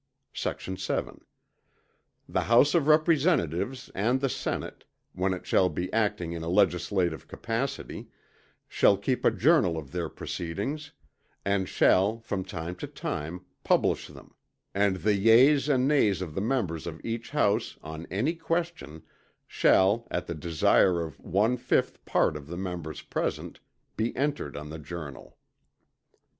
Sect. 7. The House of Representatives, and the Senate, when it shall be acting in a legislative capacity, shall keep a journal of their proceedings, and shall, from time to time, publish them: and the yeas and nays of the members of each House, on any question, shall, at the desire of one fifth part of the members present, be entered on the journal.